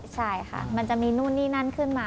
ใช่ค่ะมันจะมีนู่นนี่นั่นขึ้นมา